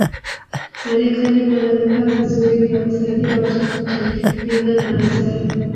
marekani wana vifaa vizuri vya kusaidi watu kujirinda na hatari